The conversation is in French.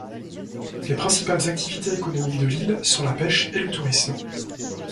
Les principales activités économiques de l'île sont la pêche et le tourisme.